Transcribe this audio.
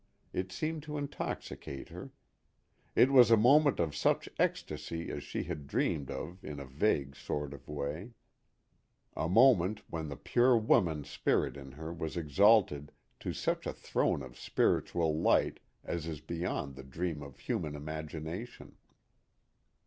It seemed to intoxicate her. It was a moment of such ecstasy as she had dreamed of in a vague sort of way a moment when the pure woman spirit in her was exalted to such a throne of spiritual light as is beyond the dream of human imagination.